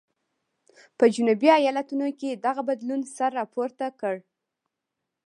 په جنوبي ایالتونو کې دغه بدلون سر راپورته کړ.